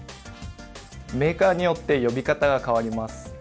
メーカーによって呼び方が変わります。